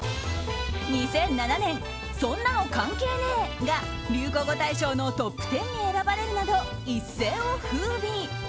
２００７年そんなの関係ねぇ！が流行語大賞のトップ１０に選ばれるなど一世を風靡。